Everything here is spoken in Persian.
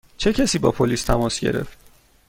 چه کسی با پلیس تماس گرفت؟